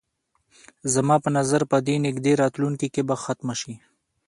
زما په نظر په دې نږدې راتلونکي کې به ختمه شي.